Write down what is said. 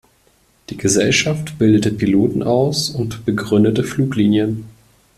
Die Gesellschaft bildete Piloten aus und begründete Fluglinien.